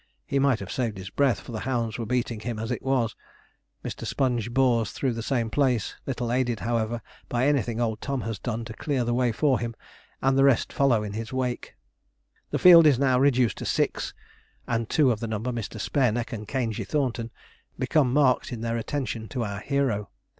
He might have saved his breath, for the hounds were beating him as it was. Mr. Sponge bores through the same place, little aided, however, by anything old Tom has done to clear the way for him, and the rest follow in his wake. The field is now reduced to six, and two of the number, Mr. Spareneck and Caingey Thornton, become marked in their attention to our hero.